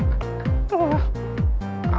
abis dah ongkos gua